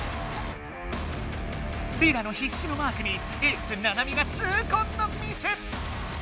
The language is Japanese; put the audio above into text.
リラのひっしのマークにエースナナミがつうこんのミス！